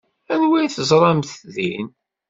Anwa ay teẓramt din?